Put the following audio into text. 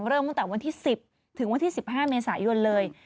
เริ่มตั้งแต่วันที่๑๐ถึงวันที่๑๕เมษายนเลย